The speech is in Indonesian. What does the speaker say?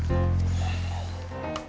sampai jumpa lagi